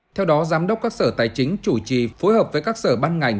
theo đó giám đốc các sở tài chính chủ trì phối hợp với các sở ban ngành